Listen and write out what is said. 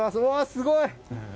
すごい！